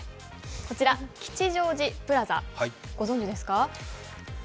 こちら吉祥寺プラザ、ご存じですか？